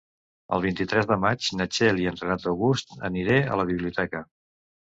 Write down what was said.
El vint-i-tres de maig na Txell i en Renat August aniré a la biblioteca.